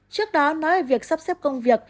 trước đó nói về việc sắp xếp công việc